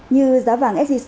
như giá vàng sgc đang cao